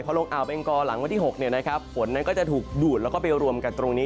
เพราะลงอ่าวเบงกอหลังวันที่๖เนี่ยนะครับฝนนั้นก็จะถูกดูดแล้วก็ไปรวมกันตรงนี้